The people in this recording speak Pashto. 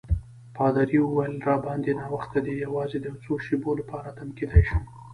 پادري وویل: راباندي ناوخته دی، یوازې د یو څو شېبو لپاره تم کېدای شم.